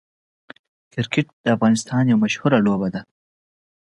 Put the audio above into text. ځینې مشخص ډول کبان تر نورو